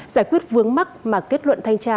giải quyết vướng mắc mà kết luận thanh tra